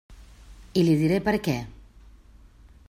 I li diré per què.